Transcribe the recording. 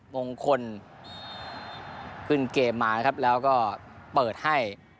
มงคลขึ้นเกมมานะครับแล้วก็เปิดให้